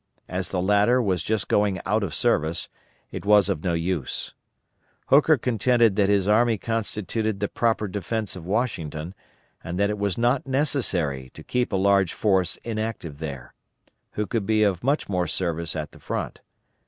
As the latter was just going out of service, it was of no use. Hooker contended that his army constituted the proper defence of Washington, and that it was not necessary to keep a large force inactive there, who could be of much more service at the front.